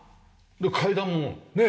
階段もねえ。